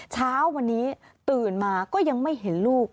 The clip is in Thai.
เช้าวันนี้ตื่นมาก็ยังไม่เห็นลูก